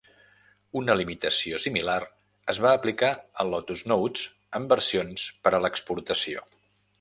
Una limitació similar es va aplicar a Lotus Notes en versions per a l'exportació.